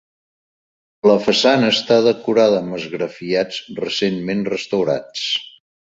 La façana està decorada amb esgrafiats, recentment restaurats.